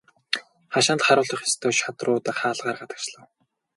Хашаанд харуулдах ёстой шадрууд хаалгаар гадагшлав.